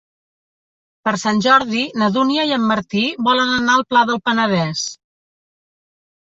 Per Sant Jordi na Dúnia i en Martí volen anar al Pla del Penedès.